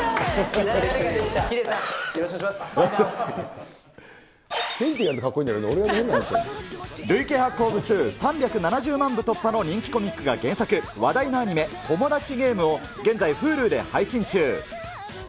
ケンティはかっこんいいんだけど、累計発行部数３７０万部突破の人気コミックが原作、話題のアニメ、トモダチゲームを現在、Ｈｕｌｕで配信中。